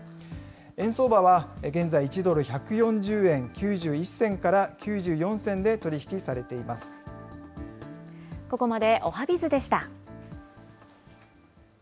円相場は現在１ドル１４０円９１銭から９４銭で取り引きされていここまでおはＢｉｚでした。